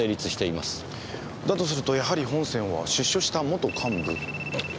だとするとやはり本線は出所した元幹部？